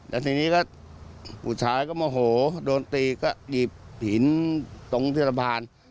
แล้วทีนี้ก็ผู้ชายก็โมโหโดนตีก็หยิบหินตรงเทศบาล